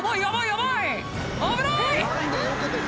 危ない！